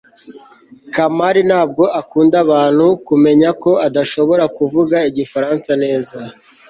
kamali ntabwo akunda abantu kumenya ko adashobora kuvuga igifaransa neza